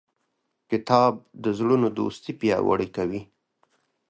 کتاب د زړونو دوستي پیاوړې کوي.